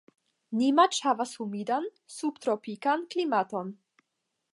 Nimaĉ havas humidan subtropikan klimaton.